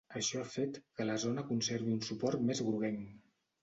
Això ha fet que la zona conservi un suport més groguenc.